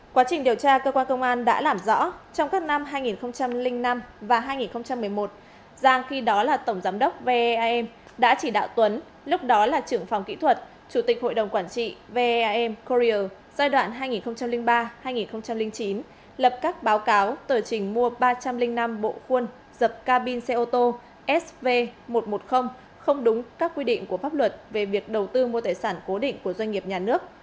quá trình điều tra cơ quan công an đã làm rõ trong các năm hai nghìn năm và hai nghìn một mươi một giang khi đó là tổng giám đốc veam đã chỉ đạo tuấn lúc đó là trưởng phòng kỹ thuật chủ tịch hội đồng quản trị veam korea giai đoạn hai nghìn ba hai nghìn chín lập các báo cáo tờ trình mua ba trăm linh năm bộ khuôn dập ca bin xe ô tô sv một trăm một mươi không đúng các quy định của pháp luật về việc đầu tư mua tài sản cố định của doanh nghiệp nhà nước